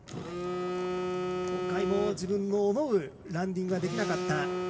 今回も自分が思うランディングができなかった。